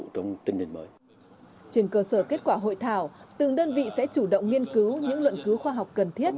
trên cơ sở kết quả hội thảo từng đơn vị sẽ chủ động nghiên cứu những luận cứu khoa học cần thiết